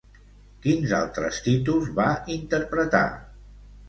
Quins altres títols va interpretar?